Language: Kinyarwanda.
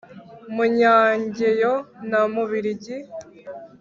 munyangeyo na mubirigi